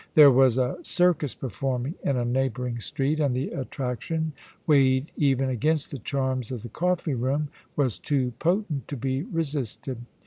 There was a circus performing in a neighbouring street, and the attrac tion, weighed even against the charms of the coffee room, was too potent to be resisted.